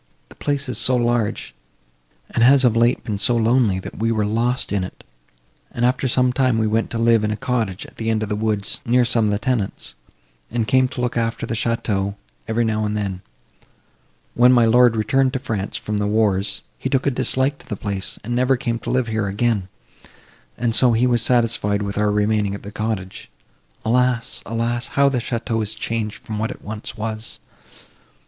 The place is so large, and has of late been so lonely, that we were lost in it, and, after some time, we went to live in a cottage at the end of the woods, near some of the tenants, and came to look after the château, every now and then. When my lord returned to France from the wars, he took a dislike to the place, and never came to live here again, and so he was satisfied with our remaining at the cottage. Alas—alas! how the château is changed from what it once was!